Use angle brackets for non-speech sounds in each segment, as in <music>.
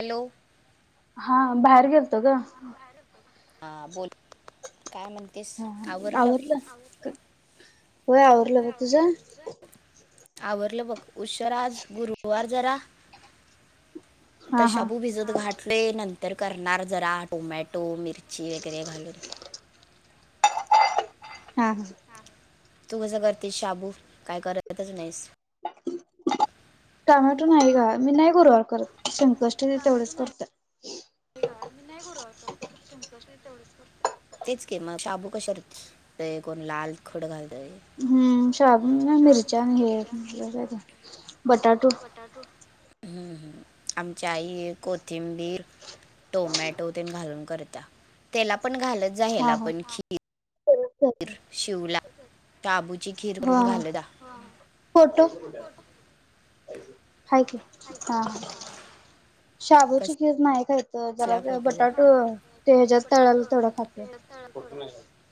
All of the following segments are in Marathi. हॅलो. हां,, बाहेर गेलतो ग. हां,, बोल काय म्हण. हा,, आवरलं,,, होय आवरलं ब,,, तुझं? आवरलं बग,, उशेर आज, गुरुवार जरा. आता हा हा. शाबू भिजत घाटलय,, नंतर करणार जरा, टोमॅटो मिरची वगैरे घालून. हा, हा. तू कसं करतेस शाबू? काय करतच नाहीस? टमॅटो नाही गं, मी नाही गुरुवार करत,, संक. तेवढंच करतोय. हे म नाही गूरूवार करत,, संकष्टी तेवढंच करऽ तेच की मग, शाबू कशावर कोण लाल तिखट घालतय, हम्, शाबू आनी मिरच्या हे बटाटूऽ तू, ह्म, आमच्या आई कोथिंबीर टोमॅटो तेन घालून करत्या, त्याला पण घालत जाई आपण खीर करत जा. शिवला, काबूची खीर हा करून हा घालत जा. फोटो,, हाय की, हा,, कसं शाबूची खीर नाही खाईत. तर जरा असला फोटो ग बटाटू,,, ते हच्यात तळलेला, तेवढा खातोय.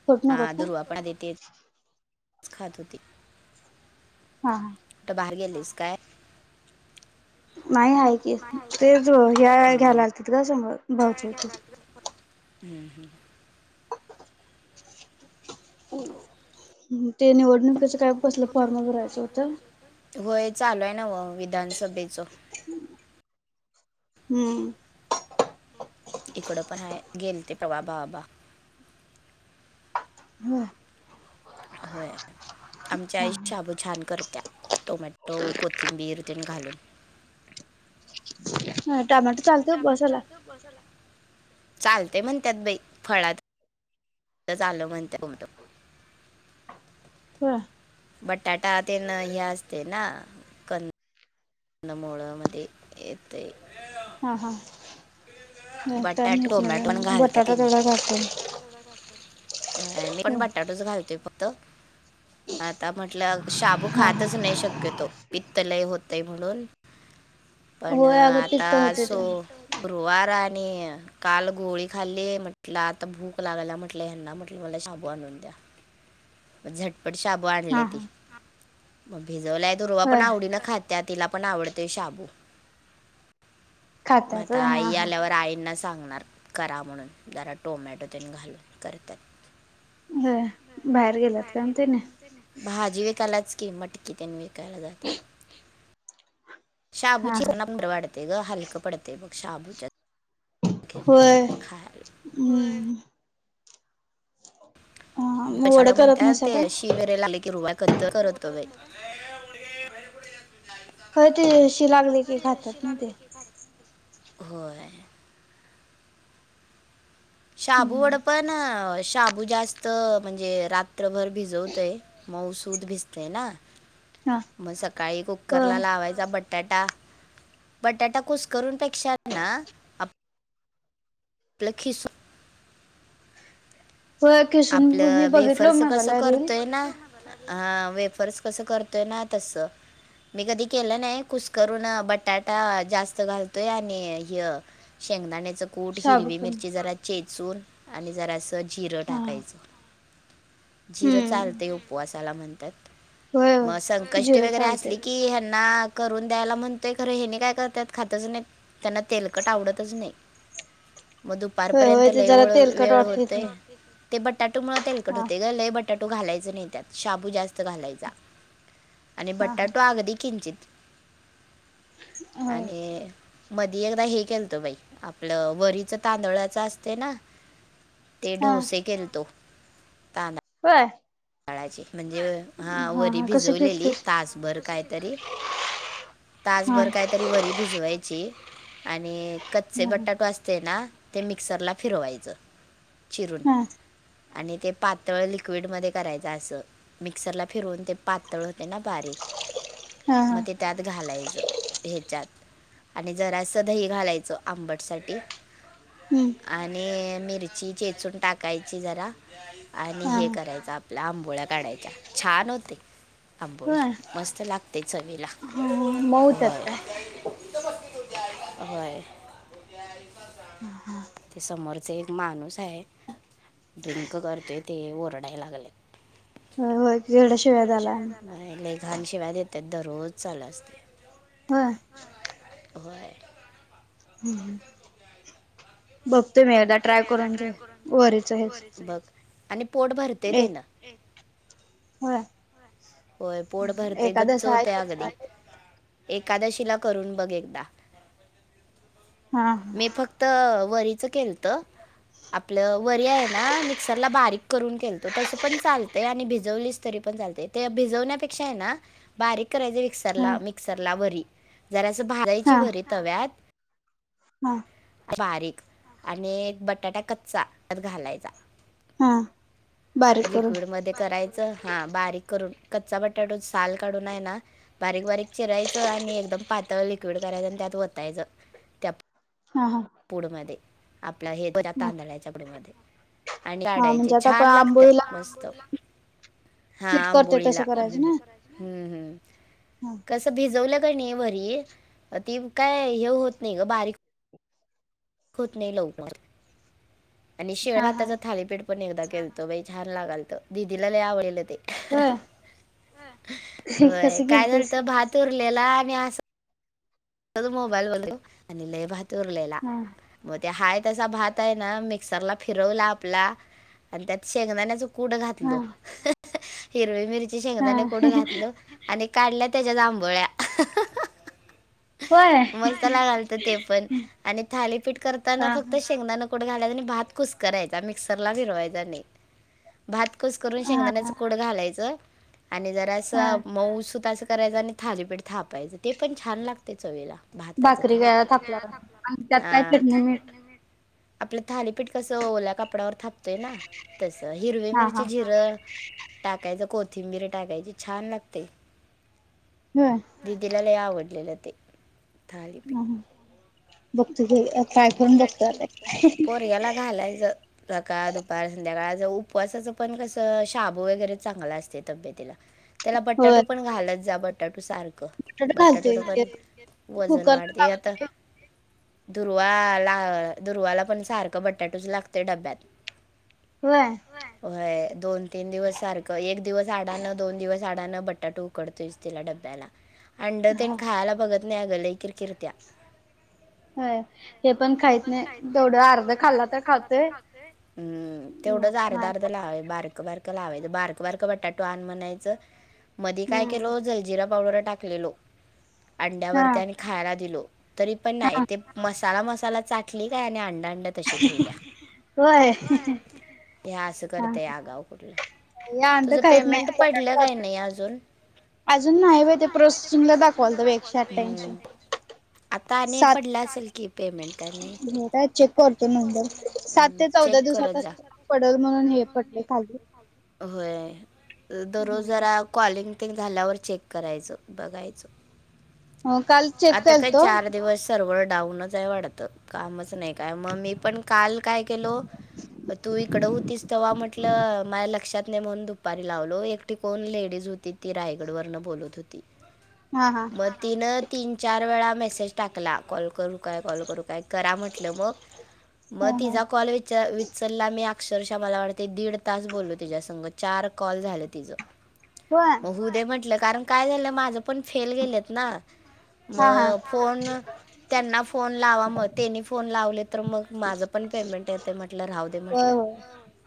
फोटो नकोत अं,, काय? दुर्वापणा आदि तेच खात हुती. हा, हा, कुट बाहेर गेलेस काय? नाही आहे की,, तेच हम्म, घ्यायला आलतीत ग समोर, भाऊजी होतीतऽ हम्म, हम् ते निवडणुकीच काय कसलं फॉर्म भरायचं होत. होय चालू आहे नव,, विधानसभेचऽ हम्म, इकडं पण आहे गेल ते तवा बाबा, <inaudible> होय आमच्या आई शाबू छान करत्या टोमॅटो कोथिंबीर तेन घालून. नाय, टमाट चालत उपवासाला चालत म्हणत्यात बाई फळात, त्या झालं म्हणत्य उलट, हो बटाटा तेन हे असतय ना त्यांना मोळा मध्ये येतय. हा, हा, नाही काय बटाटा माहित नाही बाई, बटाटा तेवढा घालतोय. अ, मी पण बटाटाच घालतेय फक्त आता म्हटलं शाबू हा हा खातच नाही शक्यतो, पित्त लय होतय म्हणून पण,, होय अगं आता पित्त होते ते असो, गुरुवार आणिऽ काल गोळी खाल्ली म्हटलं आता भूक लागाला म्हटल ह्यांना म्हटलं मला शाबू आणून द्या, म झटपट शाबू हा आणले ती, हा मग भिजवलाय दुरवा पण होय आवडी न खात, त्या तिला पण आवडतोय शाबू मग खात्यात आता होय हा आई हा आल्यावर आईंनाच, सांगणार करा म्हणून जरा टोमॅटो तेन घालून करतात, व्हय बाहेर गेलात काय ते ने? भाजी विकायलाच की मटकी त्यांनी विकायला जातात. हा शाबूची हा नंबरं वाढते ग हलकं पडतय बग शाबूच्या घेरल होय खाय, व्हय <unintelligible> हम्म हा मग वडं कशाला करत म्हणत्यात नाहीसा ते काय शि वेरे जाले की रुवा करीत त करतवे <inaudible> हो ते शी लागली की खातात ना ते? होय. शाबू वड पण शाबू जास्त म्हणजे रात्रभर भिजवतय मऊसूद भिजतय ना, हा मग सकाळी होय कुकरला लावाय बटाटा बटाटा कुसकरून पेक्षा हे ना म्हंटलं किसून होय किसून आपलं मी बघितलो वेफर्स च कसं मोबाईलला रील करतोय ना? हा वेफर्स कसं करतोय ना तस मी कधी केलं नाही कुसकरून, बटाटा जास्त घालतोय आणि ह्य शेंगदाण्याचं कूट हिरवी साबुदाणा मिरची जरा चेचून आणि जरास जिरं टाक हा टाकायच, जिरं हम्म चालतय उपवासाला म्हणत्यात. होय होय मग संकष्टी जिरं वगैरे चालतंय असली की ह्यांना करून द्यायला म्हणतय खरं हे नी काय करतात खातच नाही. त्यांना तेलकट आवडतच नाही. मग होय होय दुपारपर्यंत ते लय जरा वेळ तेलकट वेळ वाटतय होते की ते बटाटू मुळ तेलकट होते ग! लय बटाटो घालायच नाही त्यात शाबू जास्त घालायचा. आणि हा हा बटाटो अगदी किंचित होय आणि मधी एकदा हे केलत बाई आपलं वरीच तांदळाच असते ना? ते हा ढोसे केलतो तांद व्हय. ळाचे म्हणजे हा वरी कसं भिजवलेली केलतीस तासभर कायतरी हा तासभर कायतरी वरी भिजवायची आणि कच्चे हा बटाटो अस ते ना, ते मिक्सरला फिरवायचं, चिरून हा आणि ते पातळ लिक्विड मध्ये करायच अस मिक्सरला फिरून ते पातळ होते ना बारीक हा म हा ते त्यात घालायचं ठेच्यात आणि जरासं दही घालायचं, आंबट साठी हम्म. आणि मिरची चेचून टाकायची जरा आणि हा हे करायचं आप आंबोळा्या काढायच्या छान होते. आंबोळी होय मस्त लागते चवीला हा मऊ होत्यात वय काय होय. <inaudible> <unintelligible> ते समोरचा एक माणूस आहे ड्रिंक करतोय ते ओरडायला लागले. हो-होय केवडाशिवाे द्याला लेय घाण शिव्या देतात दररोज चालू असते. व्हय होय हम्म हम्म बघतो मी एकदा ट्राय करून ते वरीच हेच बघ आणि पोट भरतेय एक तेन होय. होय पोट भरतय गच्च एकादस आहे व्हते अगदी, एकादशीला करून बघ एकदा हा मी फक्त वरीचं केलंत. <inaudible> आपलं वरी आहे ना मिक्सरला बारीक करून केलतो, तसं पण चालतंय आणि भिजवलीच तरी पण चालतंय त्या भिजवण्यापेक्षा आहे ना बारीक करायचं हा मिक्सरला-मिक्सरला वरी जरासं भाजायची वरी तव्यात हम्म बारीक आणि बटाटा कच्चा त्यात घालायचा हा बारीक करून लिक्विड मध्ये करायच हा बारीक करून कच्चा बटाटो साल काढून आहे ना बारीक बारीक चिरायचं आणि एकदम पातळ लिक्विड करायचं आणि त्यात वतायचं. त्या हा हा पुड मध्ये आपला हे ह तांदळाच्या पुड मध्ये आणि हा काडायचे म्हणजे आता आपण छान लागते आंबोळीला मस्त हा पीठ करतोय तसं आंबोळीला करायचं ना हम्म हम्म ह कसं भिजवलं का नाही वरी ती काय हे होत नाही ग बारीक. होत नाही लवकर आणि शेळ हा हा भाताचा थालीपेठ मी पण केलतो बाई एकदा छान लागालत दिदीला आवडेल ते होय होय कसं काय झालंत केलतीस तर भात उरलेला आणि अस आणि लय भात उरलेला हा मग ते हाय तसा भात आहे ना मिक्सरला फिरवला आपला आणि त्यात शेंगदाने कुट कुडं हा घातले हिरवी मिरची हा शेंगदाणे कुडं घातलो आणि काढल्या त्याच्या आबोळ्या होय मस्त लागालंत ते पण आणि थालीपीठ करताना हा फक्त हा शेंगदाण कु कुट घालायचा आणि भात कुस करायचा मिक्सरला फिरवायचा नाही. भात कुसकरून शेंगदाण्याच हा कुट घालायचं आणि जरा हा असं मऊ सुद्ध असं करायचं आणि थालीपीठ थापायचं ते पण छान लागते चवीला भाताच भाकरी थाली थापल्यावर आणि त्यात काय चटणी पिठ मीठ आपलं थालीपीठ कसं ओल्या कापडावर थापतोय ना तसं हिरवी हा हा मिरची झिर टाकायचं कोथिंबीर टाकायची छान लागते. होय दिदीला लय आवडलेलं ते थालीपीठ हा बघतो घे ट्राय करून बघतो आता पोरगयाला घालायचं. सकाळ दुपार संध्याकाळच उपवासाचं पण कस शाबू वगैरे चांगला असते तब्येतीला त्याला होय बटाटो पण घालत जा बटाटो सारखं बटाटा बटाटेट घालतोय ते पण वजन कुकरला वाढते आता लावतोय दुरवा ला दुर्वाला पण सारखं बटाटोच लागतं डब्यात. होय होय दोन तीन दिवस सारखं एक दिवस आडानं दोन दिवस अडानं बटाटू उकडतोयच तिला डब्याला अंड तने हा खायला बघत नाही अ गल किर किर्त्या होय ते पण खायत नाही तेवढं अर्ध खाल्ला तर खातं हम्म तेवढंच अर्धा लाववे बारक बार लावायचं बारक बारक बटाटो आण म्हणायचं मधे काय केलो जलजिरा पावडर टाकलेलो हा अंड्यावरती आणि खायला दिलो तरी पण हा नाहीत. मसालामसाला चाटली काय आणि अंड अंड तशी ठेवल्या होय ह असं करतय आगाव कुठली या अंड तुझं काहीत पेमेंट नाही पडलं काय नाही अजून? अजून नाही बा ते प्रोसेसिंग दाखवालत एकशे आठठाशी पडला असेल कि पेमेंट का नाही काय चेक करतो नंतर सात ते चौदा चेक दिवसात करत जा असतो पडल म्हणून हे पडले खाली होय दरोजरा कॉलिंग तेंग झाल्यावर चेक करायचं बघायचं हो काल चेक आता काय केलतो चार दिवस सर्वर डाऊनच आहे वाढत कामच नाही का मग मी पण काल काय केलो तू इकडं होतीस तर वा्हा म्हटलं माझ्या लक्षात म्हणून दुपारी लावलो एकटिकोण लेडीज होती ती रायगड वरन बोलत होती हम हा तिन तीन चार वेळा मेसेज टाकला कॉल करू काल करु काय काल करु काय करा म्हंटल ह मग ह तिचा काल चल्ला मी अक्षरशः मला वाटते दीड तास बोललो तिच्या संघ चार कॉल झालं तिचं होय मग हुदय म्हटलं कारण काय झालं माझं पण फेल गेलं ना म हा हा फोन त्यांना फोन लावा मग त्यांनी फोन लावले तर मग माझं पण पेमेंट येते म्हटलं राहू दे होय म्हटलं होय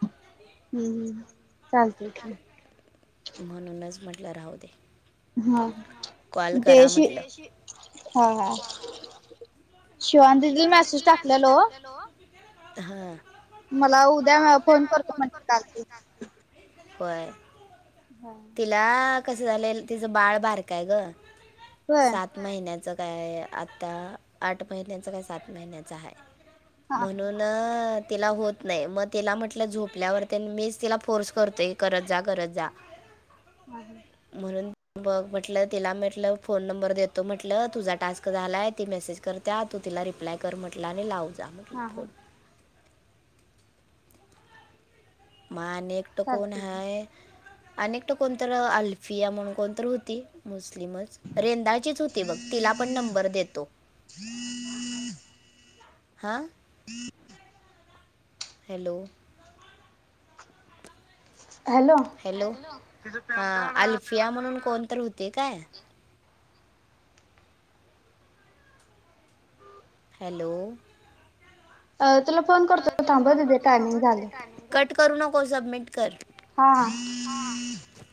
हम्म चालतलं म्हणूनच म्हटलं राहू दे हम कॉल करा म्हटले शिवांतीतील मेसेज टाकलेलो हा मला उद्या फोन करतो म्हणज काल होय होय तिला कसं झाले तिचं बाळ बार काय ग सात महिन्याच काय आता आठ महिन्याचं काय सात महिन्याचं आहे हा म्हणून हा तिला होत नाही मग तिला म्हटलं झोपल्यावरती मीच तिला फोर्स करतोय गरजा गरजा हम् हम् म्हणून बघ पट म्ह तिला म्हट फोन नंबर देतो म्हट तुझा टास्क झालाय ती मेसे करत त्या तो तिला रिप्लाय कर म्हटलं आणि लावू जा म्हटलं हा फोन हा माने एकटो कोण चालते आहे अनेकट कोणत अल्फिया म्हणून कोणत होती मुस्लिमच रेंदाळचीच होती बघ तिला पण नंबर देतो हा हॅलो हॅलो हॅलो हा अल्फिया म्हणून कोण तर होते काय हॅलो अ तुला फोन करतो थांब ते टायमिंग झालं कट करू नको सबमिट कर हा हा हा